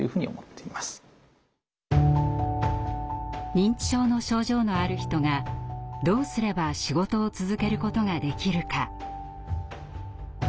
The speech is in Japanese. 認知症の症状のある人がどうすれば仕事を続けることができるか？